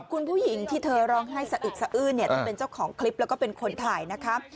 คุณผู้หญิงที่เธอร้องไห้สะอึกสะอื้นเนี่ยเธอเป็นเจ้าของคลิปแล้วก็เป็นคนถ่ายนะคะ